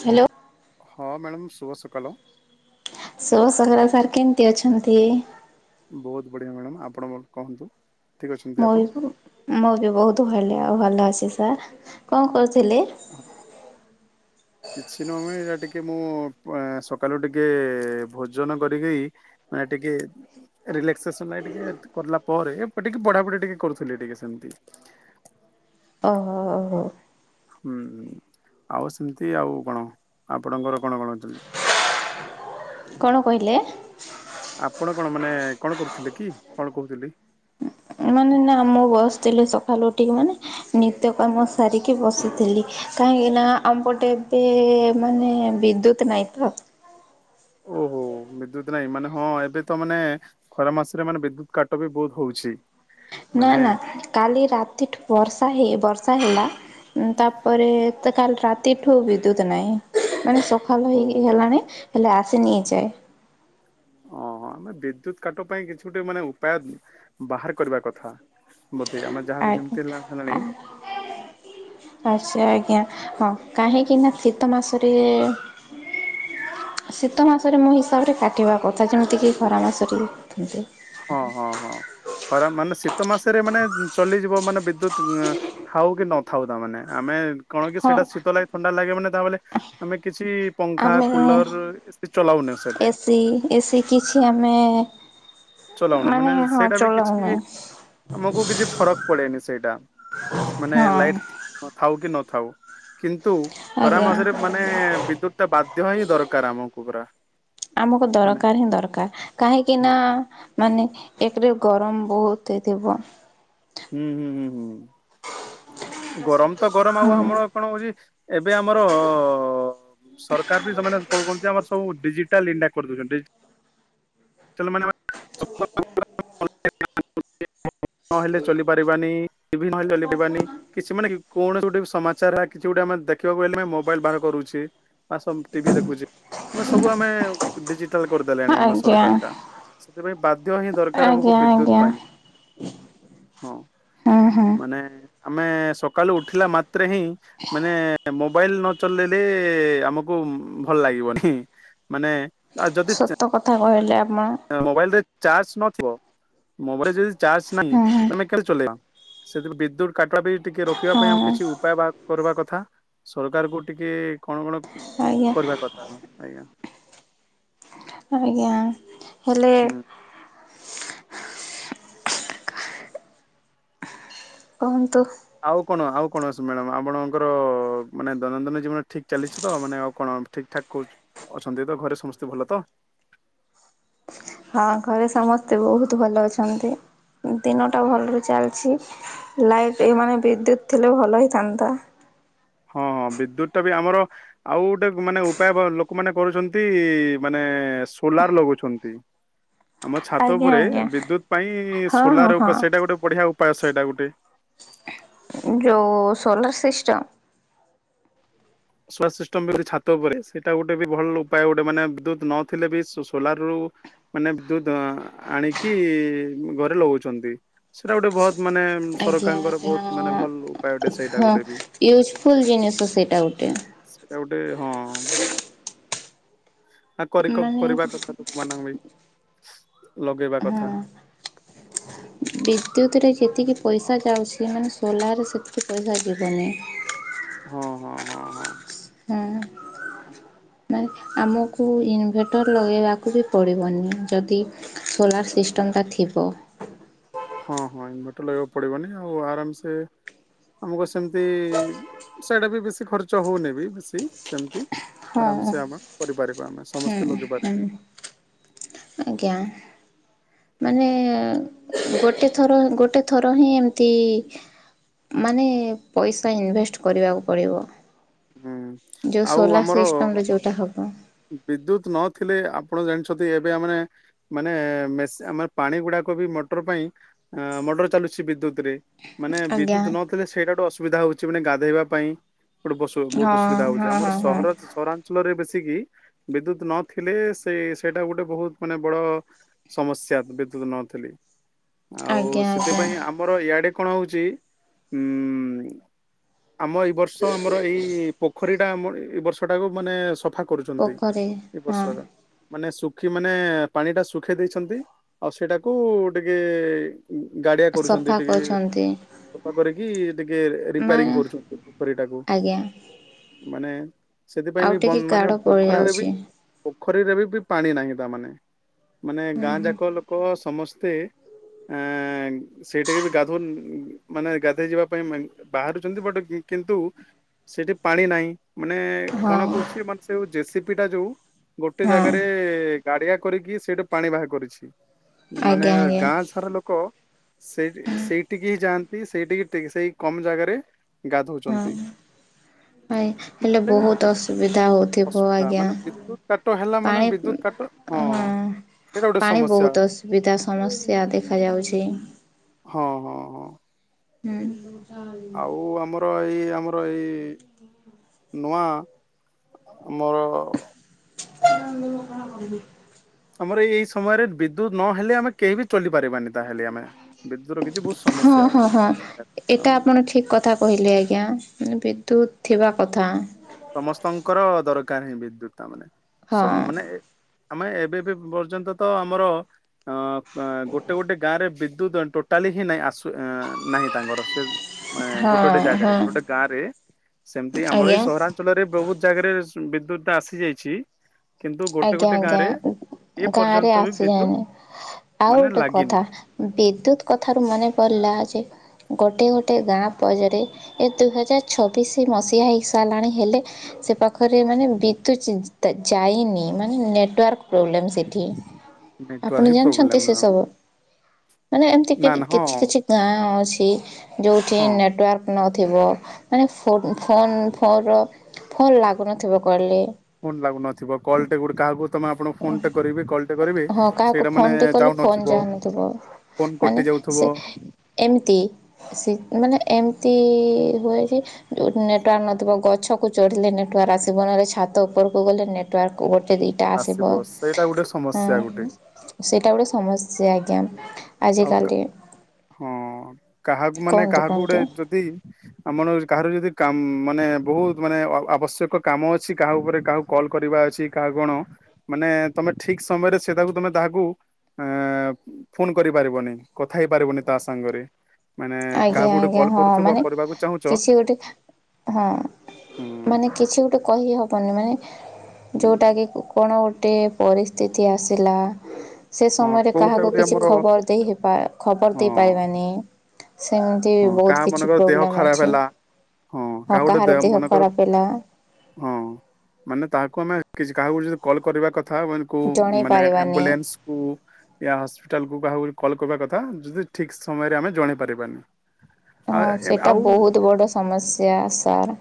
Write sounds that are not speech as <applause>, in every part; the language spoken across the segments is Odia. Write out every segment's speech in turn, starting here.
ହ୍ୟାଲୋ ହଁ ମ୍ୟାଡ଼ାମ ସୁବ କଲୋ ଶୋସଗରା ସାର୍ କେମିତି ଅଛନ୍ତି ବହୁତ ବଢିଆ ମ୍ୟାଡ଼ାାମ ଆପଣ କୁହନ୍ତୁ ଠିକ୍ ଅଛନ୍ତି ମୁଁ ଆପଣ? ବି ମୁଁ ବି ବହୁତ ଭଲ ଲାଗେ ଆଉ ଭଲ ଅଛି ସାର୍ କଣ କରୁଥିଲେ ହଁ କିଛି ନୁହମ ଏଟା ଟିକେ ମୁଁ ସକାଳୁ ଟିକେ ଭୋଜନ କରିକି ମାନେ ଟିକେ ରିଲାକ୍ସସ ଲାଗ ଟିକେ କରିଲଲା ପରେ ଟିକେ ପଢାପଢି ଟିକେ କରୁଥିଲି ଟିକେ ସେମିତି ଓ ହୋ ହଉ। ହୁଁ ଆଉ ସେମିତି ଆଉ କଣ ଆପଣଙ୍କର କଣ କଣ ଅଛନ୍ତି। କଣ କହିଲେ। ଆପଣ କଣ ମାନେ କଣ କରୁଥିଲେ କି କଣ କହୁଥିଲି। ମାନେ ନା ମୁଁ ବସିଥିଲି ସକାଳୁ ଉଠିକି ମାନେ ନିତ୍ୟ କାମ ସାରିକି ବସିଥିଲି କାହିଁକି ନା ଆମପଟେ ଏବେ-ବେ-ବେ ମାନେ ବିଦ୍ୟୁତ ନାଇଁ ତ। ଓହୋ ବିଦ୍ୟୁତ ନାଇଁ ମାନେ ହଁ ଏବେ ତ ମାନେ ନେ ନେ ଖରା ମାସରେ ମାନେ ବିଦ୍ୟୁତ କାଟ ବି ବହୁତ ହଉଛି। ନା ମାନେ ନା କାଲି ରାତି ଠୁ ବର୍ଷା ହେଇ ବର୍ଷ ବର୍ଷା ହେଲା ଉଁ ତାପରେ ତ କାଲି ରାତି ଠୁ ବିଦ୍ୟୁତ ନାହିଁ ମାନେ ସ ଭଲ ଓହୋ ହେଇକି ହେଲାଣି। ହେଲେ ଆସିନି ଏଯାଏ। ଓ ହୋ ଆମେ ବିଦ୍ୟୁତ କାଟ ପାଇଁ କିଛି ଗୋଟେ ମାନେ ଉପାୟ ବାହାର କରିବା କଥା। ବୋଧେ ଆମେ ଆ ଯାହାକୁ ଯେମିତି ହେଲା ହେଲାଣି ଆ ଆଛା ଆଜ୍ଞା ହଁ କାହିଁକି ନା ଶୀତ ମାସରେ-ରେ-ରେ ଶୀତ ମାସରେ ମୋ ହିସାବରେ କାଟିବା କଥା ଯେମିତିକି ଖରା ମାସରେ କାଟୁଛନ୍ତି। ହଁ ହଁ ହଁ ଖରାପ ମାନେ ଶୀତ ମାସରେ ମାନେ ଚଲିଯିବ ମାନେ ବିଦ୍ୟୁତ ଉଁଅ ଥାଉ କି ନଥାଉ ତା ମାନେ ଆମେ କଣ କି ହଁ ସେଇଟା ଶୀତ ଲାଗେ ଥଣ୍ଡା ଲାଗେ ମାନେ ତା ବଲେ ଆମେ କିଛି ପଙ୍ଖା ଆମେ କୁଲର ର ର ଏ ଚଲାଉନ ସେଠି ଏସି ଏସି କିଛି ଆମେ ଚଲାଉନୁ ମାନେ ହଁ ସେଇଟା ବି ଚଲାଉନି କିଛି ଆମକୁ କିଛି ଫରକ ପଡେନି ସେଇଟା ମାନେ ହଁ ଲାଇଟ ଥାଉ କି? ନଥାଉ କିନ୍ତୁ କି ତୁ ଖରା ଆଜ୍ଞା ମାସରେ ମାନେ ବିଦ୍ୟୁତ ଟା ବାଧ୍ୟ ହିଁ ଦରକାର ଆମକୁ ପୁରା ଆମକୁ ମାନେ ଦରକାର ହିଁ ଦରକାର କାହିଁକି ହଁ। ନା ମାନେ ଏକରେ ଗରମ ବହୁତ ହେଇଥିବ। ହୁଁ ହୁଁ ହୁଁ ହୁଁ ଗରମ ତ ଗରମ ଆଉ ହୁଁ ଆମର କଣ ହଉଛି? ଏବେ ଆମର ସରକାର ବି ସେମାନେ କଣ କରଛନ୍ତି ଆମର ସବୁ ଡିଜିଟାଲ ଇଣ୍ଡିଆ କରିଦଉଛନ୍ତିାନ ନହେଲେ ଚପାରିବାନି ନହେଲେ ଚପାରିବାନି କିଛି ମାନେ କୌଣସି ଗୋଟେ ସମାଚାର କିଛି ଗୋଟେ ଆମେ ଦେଖିବାକୁ ହେଲେ ମୋବାଇଲ ବାହାର କରୁଛି ବା ଟିଭି ଦେଖୁଛି ଆ ସବୁ ଆମେଡି କରିଦେଲେଣି ଆମ ଆଜ୍ଞା ସରକାର ଟା ସେଥିପାଇଁ ବାଧ୍ୟ ହିଁ ଦରକାର ଆମକୁ ଆଜ୍ଞା ବିଦ୍ୟୁତ ଆଜ୍ଞା ପାଇଁ ହଁ ହୁଁ ହୁଁ ମାନେ ଆମେ ସକାଳୁ ଉଠିଲା ମ ହି ମାନେ ମୋବାଇଲ ନଚଲେଇଲେ ଆମକୁ ଭଲ ଲାଗିବନି ମାନେ ଆଉ ସତ ଯଦିଛ କଥା କରିଲେ ଆ ମୋବାଇଲରେ ଚାର୍ଜ ନଥିବ ମୋବାଇଲ ଯଦି ଚ ନାହିଁ ହୁଁ ହୁଁ ତମେ କୋ ଚଲେଇବା ସେଥିପରେ ବିଦ୍ୟୁତ କାଟିବା ବି ଟିକେ ରୋକିବା ପାଇଁ ଆମ ହଁ କିଛି ଉପାୟ ବା କରିବା କଥା ଥା ସରକାର କ ଟିକେ କଣ କଣ? ଆଜ୍ଞା କର କଥା ଆଜ୍ଞା ଆଜ୍ଞା ହେଲେ ହୁଁ। କୁହନ୍ତୁ ଆଉ କଣ ଆଉ କଣ ଅ ମ୍ୟାଡାମ ଆପଣଙ୍କର ମାନେ ଦୈନନ୍ଦିନ ଜୀବନ ଠିକ ଚାଲିଛି ତ ମାନେ ଆଉ କଣ ଠିକ ଠାକ ଅଛନ୍ତି ତ ଘରେ ସମସ୍ତେ ଭଲ ତ ମତେ ବହୁତ ଭଲ ଅଛନ୍ତି ଦିନଟା ଭଲରେ ଚାଲିଛି ଲାଇଟ୍ ଏମାନୋନେ ବିଦ୍ୟୁତ ଥିଲେ ଭଲ ହେଇଥାନ୍ତା। ହଁ ହଁ ବିଦ୍ୟୁତ ଟା ବି ଆମର ଆଉ ଗୋଟେ ମାନେ ଉପାୟ ଲୋକମାନୋନ କରୁଛନ୍ତି ମାନେ ସୋଲାର ଲଗାଉଛନ୍ତି। ଆମ ଛାତ ଆଜ୍ଞା ଉପରେ ଆଜ୍ଞା ବିଦ୍ୟୁତ ପାଇଁ ହଁ ହଁ ସୋଲାର ହଁ ଉପା ସେଇଟା ଗୋଟେ ବଢିଆ। ପାଞ୍ଚ ଶହେଟା ଗୋଟେ। ଯୋଉଁ ସୋଲାର ସିଷ୍ଟମ ସୋଲାର ସିଷ୍ଟମ ବି ଗୋଟଛି ଛାତ ଉପରେ ସେଇଟା ଗୋଟେ ବି ଭଲ ଉପାୟ ଗୋଟେ ମାନେ ଦୁଧ ନଥିଲେ ବି ସୋଲାର ରୁ ମାନେ ଦୁଧ ଆଣିକି ଘରେ ଲଗଉଛନ୍ତି ସେଇଟା ଗୋଟେ ବହୁତ। ମାନେ ଆଜ୍ଞା ସରକାରଙ୍କର ବହୁତ ମାନେ ଭଲ ଉପାୟ ଗୋଟେ ସେଇଟା ଗୋଟେ ୟୁଜଫୁଲ ଜିନିଷ ସେଇଟା ଉଟେ। ସେଟା ଗୋଟେ ହଁ ଭଲ। ଆ କରି କ ମାନେ କରିବା କଥା ଲୋକମାନଙ୍କୁ ବି। ଲଗେଇବା ହଁ। କଥା ପ୍ରଦ୍ୟୁତିରେ ଯେତିକି ପଇସା ଯାଉଛି ମାନେ ସୋଲାରରେ ସେତିକି ପଇସା ଯିବନି ହଁ ହଁ ହଁ ହଁ ହୁଁ ମାନେ ଆମକୁ ଇନଭେଟର ଲଗାଇବାକୁ ବି ପଡ଼ିବନି ଯଦି ସୋଲାର ସିଷ୍ଟମ୍ଟା ଥିବ। ହଁ ହଁ ଇନଭଟର ଲହବାକୁ ପଡିବନି ଆଉ ଆରାମସ ଆମକୁ ସେମତି ସେଇଟା ବି ବେଶୀ ଖର୍ଚ ହଉନି ବି ବେଶୀ ସେମିତି ହଁ ଆରାମସ ଆମେ କରିପାରିବା ଆମେ ସମସ୍ତେ ଲଗେଇ ପାରିବେ ଆଜ୍ଞା ମାନେ ଗୋଟେ ଥର ଗୋଟେ ଥର ହିଁ ଏମିତି ମାନେ ପଇସା ଇନଭେଷ୍ଟ କରିବାକୁ ପଡ଼ିବ। ହୁଁ ଯେଉଁ ଆଉ ସୋଲାର୍ ଆମର ସିଷ୍ଟମ୍ରେ ଯେଉଁଟା ହେବ ବିଦ୍ୟୁତ ନଥିଲେ ଆପଣ ଜାଣିଛନ୍ତି ଏବେ ଆମେ ମାନେ ମାନେ ନେ ମେସ ଆମେ ପାଣି ଗୁଡାକ ବି ମଟର ପାଇଁ ଆଁ ମଟର ଚାଲୁଛି ବିଦ୍ୟୁତ ରେ। ମାନେ ଆଜ୍ଞା ବିଦ୍ୟୁତ ନଥିଲେ ସେଇଟା ଗୋଟେ ଅସୁ ସୁବିଧା ହଉଛି ମାନେ ଗାଧୋଇବା ପାଇଁ। ଗୋଟେ ପଶୁ ବହୁତ ହଁ ଅସୁବିଧା ହଉ ହଁ ଆମର ହଁ ହଁ ସହର ସହରାଞ୍ଚଳ ରେ ବେଶୀ। ଯେତିକି ବିଦ୍ୟୁତ ନଥିଲେ ସେ ସେଇଟା ଗୋଟେ ବହୁତ ମାନେ ବଡ-ଡ-ଡ ସମସ୍ୟା ବିଦ୍ୟୁତ ନଥିଲେ। ଆଉ-ଉ-ଉ ଆଜ୍ଞା ଆଜ୍ଞା ସେଥିପାଇଁ ଆମର ଇଆଡେ। କଣ ହଉଛି ଉମ। ଆମ ଏଇ ବର୍ଷ ଆମର ଏଇ-ଇ ପୋଖ ପୋଖରୀ ଟା ଆମର ଏଇ ବର୍ଷଟାକୁ ମାନେ ସଫା କରୁଛନ୍ତି ପୋଖରୀ ଏ ହଁ ବର୍ଷର ମାନେ ସୁ ପକ୍ଷୀ ମାନେ ପାଣି ଟା ଶୁଖେଇ ଦେଇଛନ୍ତି ଆଉ ସେଇଟାକୁ ଟିକେ। ଗାଡିଆ କରୁଛନ୍ତି ସଫା ଟିକେ କରୁଛନ୍ତି ସଫା କରି ଇ ଟିକେ ମା ରିପାରିଙ୍ଗ କରୁଚୁ ପୋ ପୋଖରୀଟାକୁ। ଆଜ୍ଞା ମାନେ ସେଥିପାଇଁ ଆଉ ବି ଟିକେ ବନ୍ ମାନେ ଗାଡ଼ ପୋଖରୀରେ ବି ପଡ଼ିଯାଉଛି ପୋ ପୋଖରୀରେ ବି ବି ପାଣି ନାହିଁ ତା ମାନେ। ମାନେ ଗାଁ ଯାକ ଲୋକ ସ୍ ସମସ୍ତେ ଅଁ ସେଇ ଟାଇମରେ ଗାଧଉନ୍ ମାନେ ଗାଧେଇ ଯିବା ପାଇଁ ମାଇଁ ବାହାରୁଚନ୍ତି ବଟ ଗି କିନ୍ତୁ ସେଠି ପାଣି ନାହିଁ। ମାନେ ହଁ କଣ କରୁଛି ମାନେ ସେ ଜେ ସିି ପି ଟା ଯୋଉ ଗୋଟେ ହଁ ଜାଗାରେ ଗାଡ଼ିଆ କରିକି ସେଇଠୁ ପାଣି ବାହାର କରିଛି। ମାନେ ଆଜ୍ଞା ଆଜ୍ଞା ଗାଁ ସାରା ଲୋକ ସେଇଠି ସେଇଠିକି ହିଁ ଯାଆ ତି ସେଇଠିକି ଟେ ସେଇ କମ ଜାଗାରେ ଗାଧୋଉଚନ୍ତି। ଭାଇ ହେଲେ ବୋହୁତ ଅସୁବିଧା ହୋଉଥିବ ଅସୁବିଧା ଆଜ୍ଞା ମାନେ ବିଦ୍ୟୁତ କାଟ ହେଲା ମାନେ ପାଣି ବିଦ୍ୟୁତ କାଟ ହଁ ସେଇଟା ଗୋଟେ ପାଣି ସମସ୍ୟା ବୋହୁତ ଅସୁବିଧା ସମସ୍ୟା ଦେଖାଯାଉଚି। ହଁ ହଁ ହଁ। ହୁଁ। ଆଉ ଆମର ଏଇ ଆମର ଏଇ ନୂଆ ଆମର <unintelligible> କଣ କରବି? ଆମର ଏଇ ସମୟରେ ବିଦ୍ୟୁତ ନହେଲେ ଆମେ କେହି ବି ଚଲି ପାରିବାନି ତାହେଲେ ଆମେ। ବିଦ୍ୟୁତର କିଛି ବହୁତ ସମସ୍ୟା ହଁ ଅଛି ହଁ ହଁ ଏଇଟା ତାମାନେ। ଆପଣ ଠିକ କଥା କହିଲେ ଆଜ୍ଞା। ତୁ ଥିବା କଥା। ସମସ୍ତଙ୍କର ଦରକାର ହିଁ ବିଦ୍ୟୁତ ତାମାନେ। ହଁ ସବୁ ମାନେ ଏ ଆମେ ଏବେ ବି ପର୍ଯ୍ୟନ୍ତ ତ ଆମର ଅ ଅ ଗୋଟେ ଗୋଟେ ଗାଁରେ ବି ଦୁତ ଟୋଟାଲି ହିଁ ନାହିଁ ଆସୁ ନାହିଁ ତାଙ୍କର ସେ ମାନେ ହଁ ଗୋଟେ ଗୋଟେ ଜାଗାରେ ହଁ ଗୋଟେ ଗୋଟେ ଗାଁରେ ସେମତି ଆମର ଏଇ ଆଜ୍ଞା ସହରା ବୋହୁତ ଜାଗାରେ ରେସୁଁ ବିଦ୍ୟୁତଟା ଆସି ଯାଇଛି କିନ୍ତୁ ଗୋଟେ ଆଜ୍ଞା ଗୋଟେ ଗାଁରେ ଏ ଆଜ୍ଞା ଗାଁରେ ପର୍ଯ୍ୟନ୍ତ ବି ବିଦ୍ୟୁତ ଆସିଲାନେଇ। ଆଉ ମାନେ ଗୋଟେ ଲାଗିନି। କଥା ବିଦ୍ୟୁତ କଥାରୁ ମନେ ପରିଲା ଯେ ଗୋଟେ ଗୋଟେ ଗାଁ ପରେରେ ଏ ଦୁଇ ହଜାର ଛବିଶି ମସିହା ହୋଇସାରିଲାଣି ହେଲେ ସେ ପାଖରେ ମାନେ ବିଦ୍ୟୁ ତ୍ ଯାଇନି। ମାନେ ନେଟୱାର୍କ ପ୍ରୋବ୍ଲେମ୍ ସେଇଠି। ନେଟୱାର୍କ ଆପଣ ହିଁ ଜାଣିଛନ୍ତି ପ୍ରୋବ୍ଲେମ ସେ ସବୁ। ମାନେ ଏମିତି ନା ନା ହଁ କିଛି କିଛି ଗାଁ ଅଛି ସେ ଯୋଉଠି ହଁ ନେଟୱାର୍କ ନ ଥିବ ମାନେ ସ ଫୋନ୍ ଫର ଫନ୍ ଲାଗୁନଥିବ କହିଲେ। ଫୋନ୍ ଲାଗୁନଥିବ କଲଟେ ଗୋଟେ କାହାକୁ ତମେ ଆପଣ ଫୋନଟେ କରିବେ କଲଟେ କରିବେ ହଁ କାହାକୁ ସେଇଟା ମାନେ ଫୋନଟେ କଲେ ଫୋନ ଯାଉନଥିବ ଯାଉନଥୁବ ଫୋନ ମାନେ କଟି ଯାଉଥିବ ସେ ଏମତି ସେ ମାନେ ଏମିତି ହୁଏ ଯେ ନେଟୱାର୍କ ନଥିବ ଗଛକୁ ଚଢ଼ିଲେ ନେଟୱାର୍କ ଆସିବ ନହଲେ ଛାତ ଉପରକୁ ଗଲେ ନେଟୱାର୍କ ଗୋ ଆସିବ ସେଇଟା ଗୋଟେ ସମସ୍ୟା ଗୋ ହଁ ସେଇଟା ଗୋଟେ ସମସ୍ୟା ଏ ଯାଏଁ ଆଉ କା ହଁ କାହାକୁ ମାନେ କୁହନ୍ତୁ କାହାକୁ ଗୋଟେ କୁହନ୍ତୁ ଯଦି ଆମର କାହାର ଯଦି କାନ୍ ମାନେ ବୋହୁତ ମାନେ ଆ-ଆବଶ୍ୟକ କାମ ଅଛି କାହା ଉପରେ କାହାକୁ କଲ୍ କରିବା ଅଛି କାହା କଣ ମାନେ ତମେ ଠିକ ସମୟରେ ସେଟାକୁ ତମେ ତାହାକୁ ଅ-ଫୋନ କରିପାରିବନି କଥା ହେଇ ପାରିବନି ତା ସାଙ୍ଗରେ। ମାନେ ଆଜ୍ଞା କାହାକୁ ଗୋଟେ ଆଜ୍ଞା କଲ୍ ହଁ କରୁଥିବ ମାନେ କରିବାକୁ ଚାହୁଁଛ କିଛି ଗୋଟେ ହଁ ହୁଁ ମାନେ କିଛି ଗୋଟେ କହି ହବନି ମାନେ ହୁଁ ଯୋଉଟା କିି କଣ? ଗୋଟିଏ ପରିସ୍ଥିତି ଆସିଲା ସେ ହଁ ସମୟରେ କୋଉଟା କାହାକୁ ଗୋଟେ କିଛି ଆମର ହଁ ଖବର ଦେଇ ହେଇପା ଖବର ଦେଇ ପାଇବାନି ସେମିତି ହଁ ବହୁତ କାହା କିଛି ମନେକର ଦେହ ପ୍ରୋବ୍ଲେମ ଖରାପ ଅଛି। ହେଲା ହଁ କାହା ଗୋଟେ କାହାର ଦେହ ମନେକର ଖରାପ ହେଲା ହଁ ମାନେ ତାହାକୁ ଆମେ କିଛି କାହାକୁ ଯଦି କଲ୍ କରିବା କ <unintelligible> ଜଣାଇ ମାନେ ପାରିବାନି ଆମ୍ବୁଲାନ୍ସକୁ ୟା ହସ୍ପିଟାଲକୁ କାହା କଲ୍ କରିବା କଥା ଯଦି ଠିକ୍ ସମୟରେ ଆମେ ଜଣେଇ ପାରିବାନି। ଆ ହଁ ସେଇଟା ଆଉ ବୋହୁତ ବଡ ସମସ୍ୟା ସାର୍।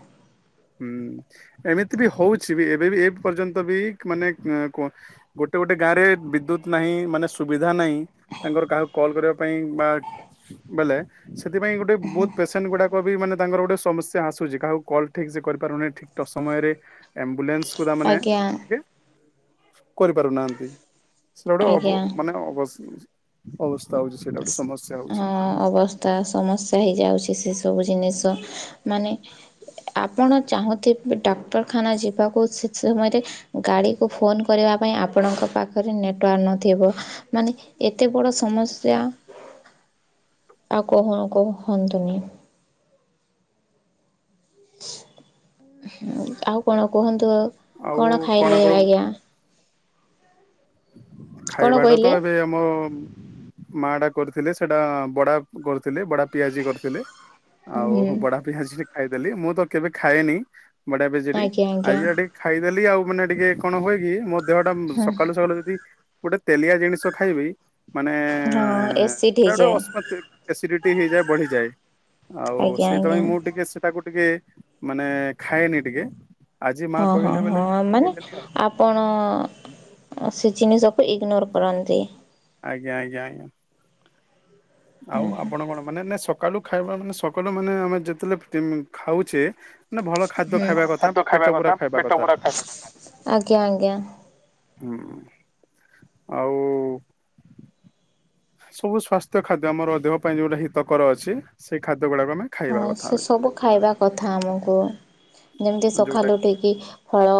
ହୁଁ ଏମିତି ବି ହୋଉଛି ବି ଏବେ ବି ଏ ପର୍ଯ୍ୟନ୍ତ ବି ମାନେ କଣ ଗୋଟେ ଗୋଟେ ଗାଁରେ ବିଦ୍ୟୁତ ନାହିଁ ମାନେ ସୁବିଧା ନାହିଁ ତାଙ୍କର କାହାର କଲ୍ କରିବା ପାଇଁ ବା ବେଲେ ସେଥିପାଇଁ ଗୋଟେ ବୋହୁତ ପେସେଣ୍ଟଗୁଡାକ ବି ମାନେ ତାଙ୍କର ଗୋଟେ ସମସ୍ୟା ଆସୁଚି କାହାକୁ କଲ୍ ଠିକସେ କରିପାରୁ ନେହିଁ ଠିକ ଠକ ସମୟରେ ଆମ୍ବୁଲାନ୍ସ କୁ ରା ମାନେ ଆଜ୍ଞା ଟିକେ କରିପାରୁ ନାହାନ୍ତି। ସେଡା ଗୋଟେ ଅବ ଆଜ୍ଞା ମାନେ ଅବସ ଅବସ୍ ସ୍ ହଁ ଅବସ୍ତା ସମସ୍ୟା ହେଇଯାଉଚି ସେ ସବୁ ଜିନିଷ ମାନେ ଆପଣ ଚାହୁଁଥିବେ ଡାକ୍ତରଖାନା ଯିବାକୁ ସେ ସମୟରେ ଗାଡ଼ିକୁ ଫୋନ୍ କରିବା ପାଇଁ ଆପଣଙ୍କ ପାଖରେ ନେଟୱାର୍କ ନଥିବ ମାନେ ଏତେ ବଡ଼ ସମସ୍ ସ୍ୟା ଆଉ କହୁ କହନ୍ତୁନି। ହୁଁ ଆଉ କଣ କୁହନ୍ତୁ ଆଉ କଣ ଖାଇଲେ କଣ ଆଜ୍ଞା। କଣ ଖାଇବାଟା ତ କହିଲେ ଏବେ ଆମ। ମା ଡା କରିଥିଲେ ସେଟା ବଡା କରୁଥିଲେ ବଡା ପିଆଜି କରିଥିଲେ। ହୁଁ ଆଉ ବଡା ପିଆଜ ଖାଇଦ। ଦେ ମୁଁ ତ କେବେ ଖାଏନି। ବଡା ପିଆଜି ଟି ଆଜ୍ଞା ଆଜ୍ଞା ଆଜି ଟିକେ ଖାଇଦେଲି ଆଉ। ମୁଁ ନା ଟିକେ କଣ ହୁଏ କି ମୋର। ଦେହଟା ହଁ ସକାଳୁ ସକାଳୁ ଗୋଟେ ତେଲିଆ ଜିନିଷ ଖାଇବି। ମାନେ ହଁ ଏସିଡ଼୍ ଏଇଟା ହେଇଯାଏ ଗୋଟେ ଅସ୍ ଏସିଡିଟି ହେଇଯାଏ ବଢିଯାଏ ଆଉ ଆଜ୍ଞା ସେଇଥିପାଇଁ ଆଜ୍ଞା ମୁଁ ଟିକେ ସେଟା କୁ। ଟିକେ ମାନେ ଖାଏନି ଟିକେ। ଆଜି ମା ହଁ ହଁ କହିଲେ ବୋଲେ ହଁ ମାନେ ଖାଇଦେଲି ଆଉ। ଆପଣ। ସେ ଜିନିଷକୁ ଇଗନୋର କରନ୍ତି। ଆଜ୍ଞା ଆଜ୍ଞା ଆଜ୍ଞା ଆଉ ଆପଣ କଣ ମାନେ ସ ସକାଳୁ ଖାଇବା ମାନେ ସକାଳୁ ମାନେ ଆମେ ଯେତେବେଳେ ଯେ ଖାଉଛେ। ମାନେ ଭଲ ଖାଦ୍ୟ ହୁଁ ଖାଇବା ଭଲ କଥା ଖାଦ୍ୟ ପେଟ ପୁରା ଖାଇବାକଥା ଖାଇବା ପେଟ କଥା ପୁରା ଖାଇବା କଥା ଆଜ୍ଞା ଆଜ୍ଞା। ହୁଁ। ଆଉ ସବୁ ସ୍ଵାସ୍ଥ୍ୟ ଖାଦ୍ୟ ଆମର ଦେହ ପାଇଁ ଯୋଉଟା ହିତକର ଅଛି ସେଇ ଖାଦ୍ୟ ଗୁଡାକ ଆମେ ଖାଇବା ହଁ କଥା ସେ ସବୁ ଖାଇବା କଥା ଆମକୁ। ଯେମିତି ଯୋଉଟା ସକାଳୁ ଉଠିକି ଫଳ।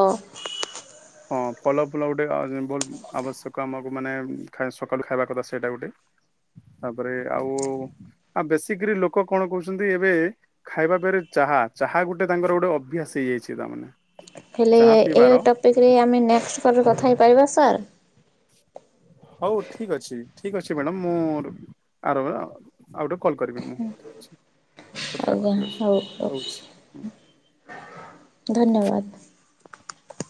ହଁ ଫଲ ଫୁଲ ଗୋଟେ ଭଲ ଆବଶ୍ୟକ ଆମକୁ ମାନେ ସକାଳୁ ଖାଇବା କଥା ସେଇଟା ଗୋଟେ ତାପରେ ଆଉ ଆଉ ବେଶିକରି ଲୋକ କଣ କହୁଛନ୍ତି ଏବେ ଖାଇବା କହିଲେ ଚାହା ଚାହା ଗୋଟେ ତାଙ୍କର ଗୋଟେ ଅଭ୍ୟାସ ହେଇଯାଇଛି ତାଙ୍କର। ହେଲେ ଏଇ ଟପିକ। ଏ ଆମେ ନେକ୍ସଟ କେବେ କଥାହେଇପାରିବା। ହେବା ସାର୍ ହଉ ଠିକ ଅଛି ଠିକ ଅଛି ମ୍ୟାଡାମ ମୁଁ ଆର ଆଉ ଗୋଟେ କଲ୍ କରିବି ମୁଁ କଥା ହେବା ଆଜ୍ଞା ଠିକ ଅଛି ହଉ ରହୁଛି। ହଉଛି ଧନ୍ୟବାଦ